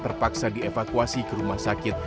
terpaksa dievakuasi ke rumah sakit